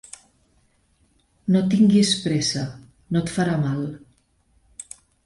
No tinguis pressa, no et farà mal.